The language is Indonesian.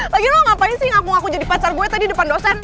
lagi lo ngapain sih ngaku ngaku jadi pacar gue tadi depan dosen